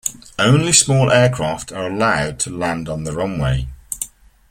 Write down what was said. Only small aircraft are allowed to land on the runway.